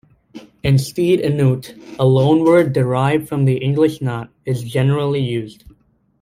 In stead enoot, a loanword derived from the English naught is generally used.